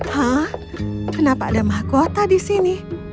hah kenapa ada mahkota di sini